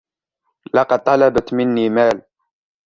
لقد طَلَبَت مني مال.